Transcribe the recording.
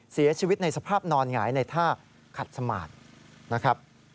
เสียชีวิตในสภาพนอนหงายในท่าขัดสมาธินะครับ